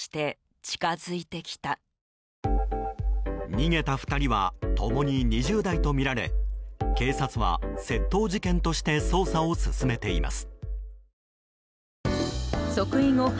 逃げた２人は共に２０代とみられ警察は窃盗事件として捜査を進めています。